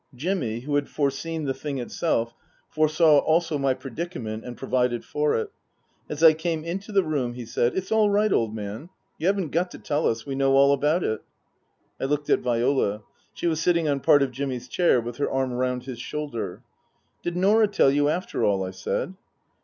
Jimmy, who had foreseen the thing itself, foresaw also my predica ment and provided for it. As I came into the room he said, " It's all right, old man. You haven't got to tell us. We know all about it." I looked at Viola. She was sitting on part of Jimmy's chair, with her arm round his shoulder. " Did Norah tell you, after all ?" I said.